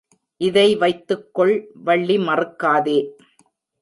இதை வைத்துக் கொள் வள்ளி மறுக்காதே.